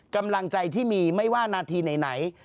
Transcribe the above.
กำลังใจที่มีไม่ว่านาทีไหน